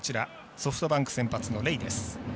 ソフトバンク先発のレイです。